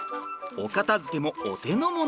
お片づけもお手の物。